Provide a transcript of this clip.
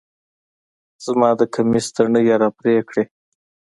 زما د کميس تڼۍ يې راپرې کړې